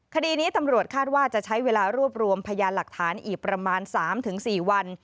คดีนี้ตำรวจคาดว่าจะใช้เวลารวบรวมพยานหลักฐานอีกประมาณ๓๔วัน